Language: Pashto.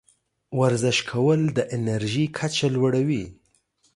ورزش کول د انرژۍ کچه لوړوي.